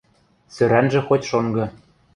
Сӧрӓнжӹ хоть шонгы.